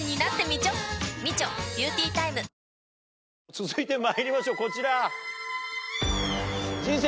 続いてまいりましょうこちら。